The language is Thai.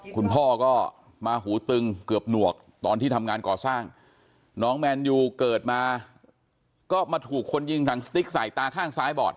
คุณพ่อก็มาหูตึงเกือบหนวกตอนที่ทำงานก่อสร้างน้องแมนยูเกิดมาก็มาถูกคนยิงถังสติ๊กใส่ตาข้างซ้ายบอด